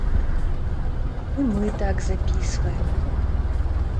І мы так запісваем.